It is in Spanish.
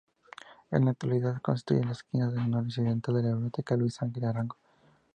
En la actualidad constituye la esquina noroccidental de la Biblioteca Luis Ángel Arango.